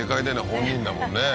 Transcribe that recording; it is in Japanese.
本人だもんね